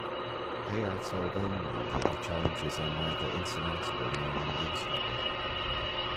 They are told only that the challenges are neither insurmountable nor unreasonable.